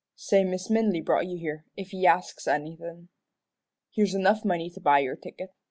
Say Mis' Minley brought you here, if he asks anythin'. Here's enough money to buy your ticket.